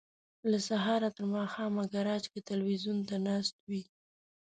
له سهاره تر ماښامه ګراج کې ټلویزیون ته ناست وي.